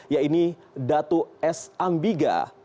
yaitu datu s ambiga